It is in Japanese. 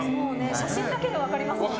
写真だけで分かりますよね